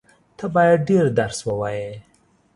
ته بايد ډېر درس ووایې.